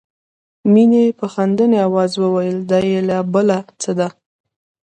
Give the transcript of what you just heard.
مينې په خندني آواز وویل دا یې لا بله څه ده